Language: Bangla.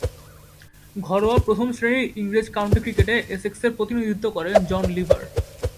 ঘরোয়া প্রথম-শ্রেণীর ইংরেজ কাউন্টি ক্রিকেটে এসেক্সের প্রতিনিধিত্ব করেন জন লিভার।